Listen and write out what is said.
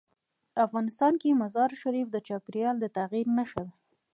افغانستان کې مزارشریف د چاپېریال د تغیر نښه ده.